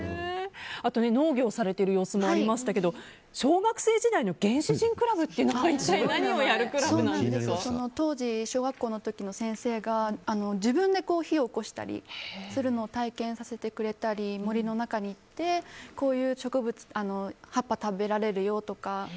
農業をされている様子もありましたけど小学生時代の原始人クラブっていうのは一体何をやる当時、小学生の時の先生が自分で火をおこしたりする体験させてくれたり森の中に行ってこういう葉っぱ食べられるよとか。